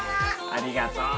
ありがとう。